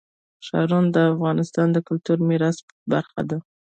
ښارونه د افغانستان د کلتوري میراث برخه ده.